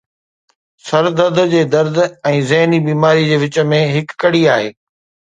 سر درد جي درد ۽ ذهني بيماري جي وچ ۾ هڪ ڪڙي آهي